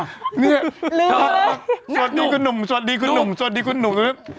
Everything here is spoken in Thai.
สวัสดีคุณหนุ่มสวัสดีคุณหนุ่มสวัสดีคุณหนุ่ม